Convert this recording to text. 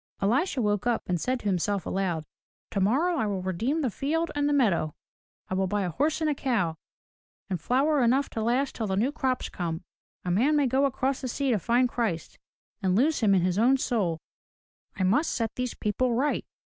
Elisha woke up and said to himself aloud, "Tomorrow I will redeem the field and the meadow. I will buy a horse and a cow, and flour enough to last till the new crop comes. A man may go across the sea to find Christ, and lose him in his own soul. I must set these people right.